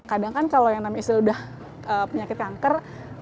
kadang kan kalau yang nama istri udah penyakit kanker